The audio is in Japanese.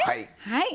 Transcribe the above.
はい。